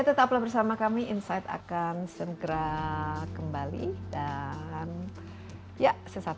tetaplah bersama kami insight akan segera kembali dan ya sesaat lagi